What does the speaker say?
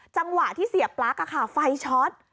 จังหวะที่เสียปลั๊กไฟช็อต